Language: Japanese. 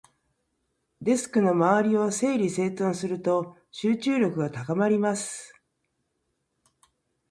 デスクの周りを整理整頓すると、集中力が高まります。